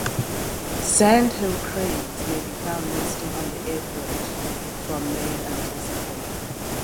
Sandhill cranes may be found nesting on the airport from May until September.